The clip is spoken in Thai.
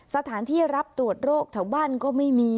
สถานที่รับโดดโรคที่บ้านก็ไม่มี